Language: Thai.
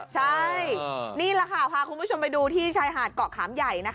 ใช่นี่แหละค่ะพาคุณผู้ชมไปดูที่ชายหาดเกาะขามใหญ่